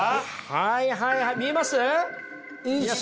はいはいはい見えます？